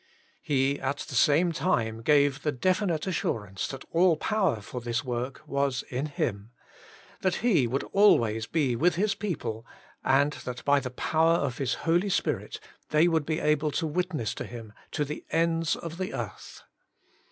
He at the same time gave the defi nite assurance that all power for this work was in Him, that He would always be \vith His people, and that by the power of His Holy Spirit they would be able to witness to Him to the ends of the earth.